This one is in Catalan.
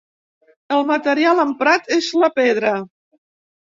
El material emprat és la pedra.